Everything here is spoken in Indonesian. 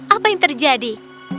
apa yang terjadi